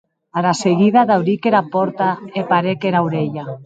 Ara seguida dauric era pòrta e parèc era aurelha.